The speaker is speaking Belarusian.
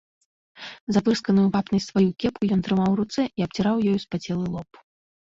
Запырсканую вапнай сваю кепку ён трымаў у руцэ і абціраў ёю спацелы лоб.